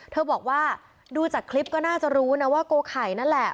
เธอบอกว่าดูจากคลิปก็น่าจะรู้นะว่าโกไข่นั่นแหละ